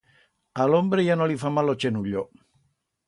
A l'hombre ya no li fa mal o chenullo.